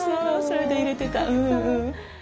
それで入れてた。